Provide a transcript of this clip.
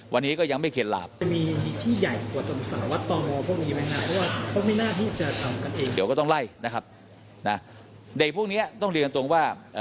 เดี๋ยวก็ต้องไล่นะครับใดพวกนี้ต้องเรียนตรงว่า